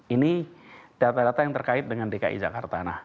ini data data yang terkait dengan dki jakarta